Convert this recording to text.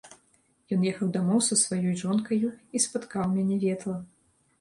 Ён ехаў дамоў са сваёй жонкаю і спаткаў мяне ветла.